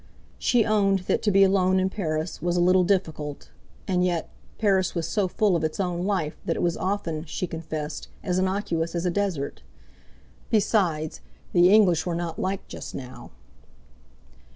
She owned that to be alone in Paris was a little difficult; and yet, Paris was so full of its own life that it was often, she confessed, as innocuous as a desert. Besides, the English were not liked just now!